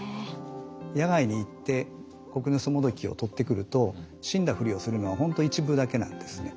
野外に行ってコクヌストモドキをとってくると死んだふりをするのは本当一部だけなんですね。